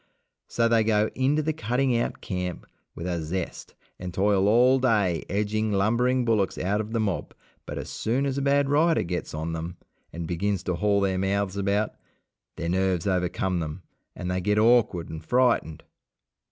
So they go into the cutting out camp with a zest, and toil all day edging lumbering bullocks out of the mob, but as soon as a bad rider gets on them and begins to haul their mouths about, their nerves overcome them, and they get awkward and frightened.